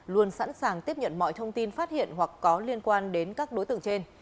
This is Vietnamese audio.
luôn sẵn sàng tiếp nhận mọi thông tin phát hiện hoặc có liên quan đến các đối tượng trên